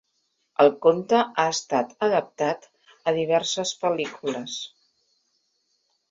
El conte ha estat adaptat a diverses pel·lícules.